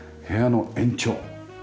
部屋の延長。